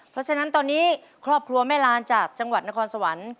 เพราะฉะนั้นตอนนี้ครอบครัวแม่ลานจากจังหวัดนครสวรรค์